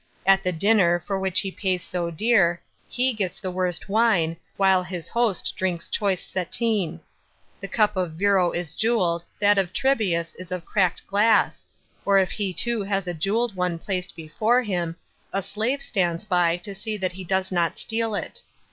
At the dinner, for which he pays so dear, he gets the worst wine while his host drinks choice Setine.* The cup of Virro is jewelled, that of Trebius is of cracked i^lass ; or if he too has a jewelled one placed before him, a slave stands by to see that he does not steal it.